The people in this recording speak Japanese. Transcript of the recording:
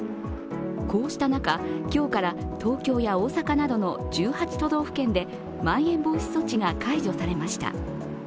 こうした中、今日から東京や大阪などの１８都道府県でまん延防止措置が解除されました。